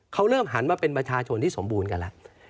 เขาเริ่มหันมาเป็นประชาชนที่สมบูรณ์กันแล้ว